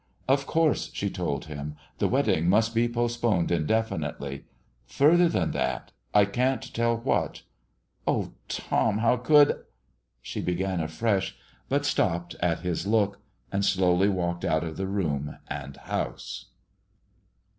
"Of course," she told him, "the wedding must be postponed indefinitely. Further than that I can't tell what O Tom! how could" she began afresh, but stopped at his look, and slowly walked out of the room and house.